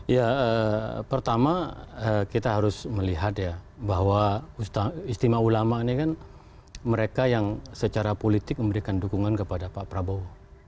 ya pertama kita harus melihat ya bahwa istimewa ulama ini kan mereka yang secara politik memberikan dukungan kepada pak prabowo